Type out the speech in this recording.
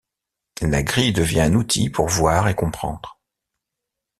La grille devient un outil pour voir et comprendre.